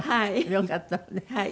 よかったわね。